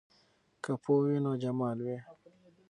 که پوهه وي نو جمال وي.